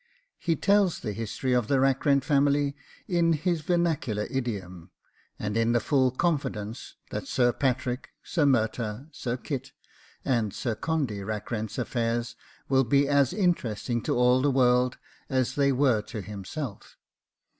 He tells the history of the Rackrent family in his vernacular idiom, and in the full confidence that Sir Patrick, Sir Murtagh, Sir Kit, and Sir Condy Rackrent's affairs will be as interesting to all the world as they were to himself.